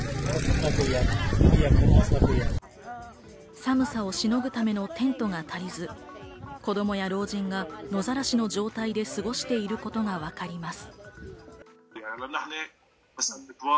寒さをしのぐためのテントが足りず、子供や老人が野ざらしの状態で過ごしていることがわかります。